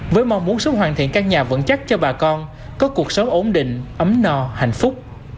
với mong muốn sức hoàn thiện các nhà vận chắc cho bà con có cuộc sống ổn định ấm no hạnh phúc